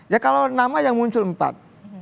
ya kalau nama yang muncul empat